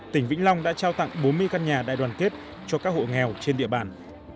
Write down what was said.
tỉnh vĩnh long đã trao tặng bốn mươi căn nhà đại đoàn kết cho các hộ nghèo trên địa bàn